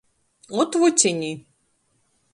Ot, vucyni!